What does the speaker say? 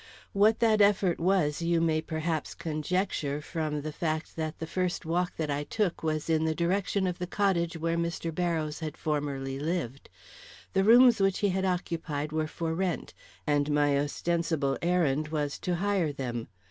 What that effort was you may perhaps conjecture from the fact that the first walk that I took was in the direction of the cottage where Mr. Barrows had formerly lived. The rooms which he had occupied were for rent, and my ostensible errand was to hire them.